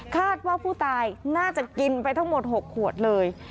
คาดว่าผู้ตายน่าจะกินไปทั้งหมด๖ขวดเลย